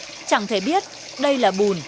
nước đầy váng bẩn chẳng thể biết đây là bùn hay cát